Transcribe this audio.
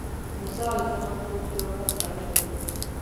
موسی علیه السلام په خوب کې ورته ښکاره شو.